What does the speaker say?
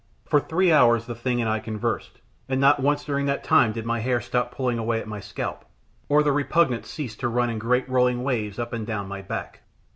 For three hours the thing and I conversed, and not once during that time did my hair stop pulling away at my scalp, or the repugnance cease to run in great rolling waves up and down my back.